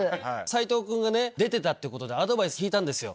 斉藤君が出てたってことでアドバイス聞いたんですよ。